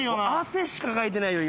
汗しかかいてないよ